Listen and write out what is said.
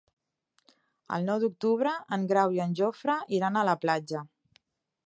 El nou d'octubre en Grau i en Jofre iran a la platja.